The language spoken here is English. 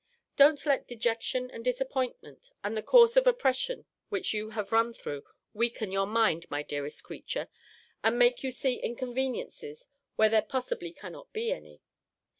Don't let dejection and disappointment, and the course of oppression which you have run through, weaken your mind, my dearest creature, and make you see inconveniencies where there possibly cannot be any.